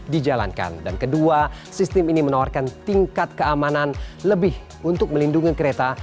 dijalankan dan kedua sistem ini menawarkan tingkat keamanan lebih untuk melindungi kereta